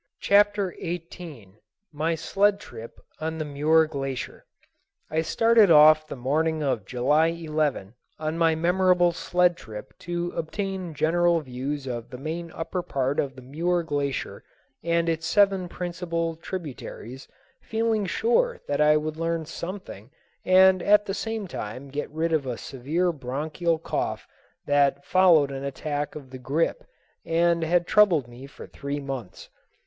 Chapter XVIII My Sled Trip on the Muir Glacier I started off the morning of July 11 on my memorable sled trip to obtain general views of the main upper part of the Muir Glacier and its seven principal tributaries, feeling sure that I would learn something and at the same time get rid of a severe bronchial cough that followed an attack of the grippe and had troubled me for three months.